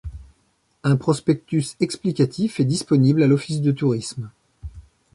Un prospectus explicatif est disponible à l’office du tourisme.